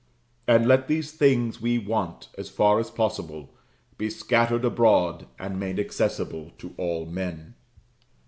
And let these things we want, as far as possible, be scattered abroad and made accessible to all men.